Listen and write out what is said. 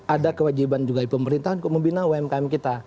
ada kewajiban juga pemerintah untuk membina umkm kita